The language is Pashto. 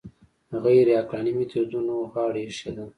غیر عقلاني میتودونو غاړه ایښې ده